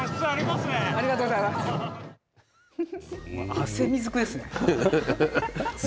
汗みずくですね。